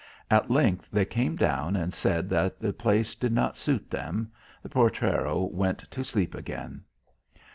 At length they came down and said that the place did not suit them. The portero went to sleep again.